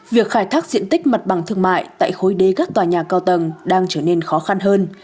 việc khai thác diện tích mặt bằng thương mại tại khối đế các tòa nhà cao tầng đang trở nên khó khăn hơn